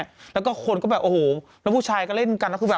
คุณแม่ต้วยพูดว่าคนก็แบบโอ้โหแล้วผู้ชายก็เล่นกันแล้วคุณแม่